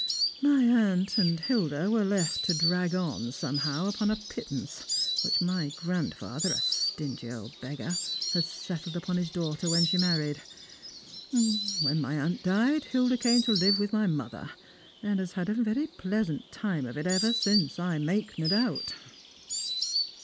My aunt and Hilda were left to drag on somehow upon a pittance which my grandfather, a stingy old beggar, had settled upon his daughter when she married. When my aunt died, Hilda came to live with my mother, and has had a very pleasant time of it ever since, I make no doubt."